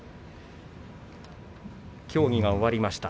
協議が終わりました。